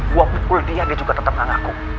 gue pukul dia dia juga tetep gak ngaku